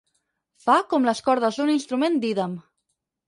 Fa com les cordes d'un instrument d'ídem.